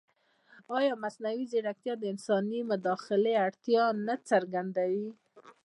ایا مصنوعي ځیرکتیا د انساني مداخلې اړتیا نه څرګندوي؟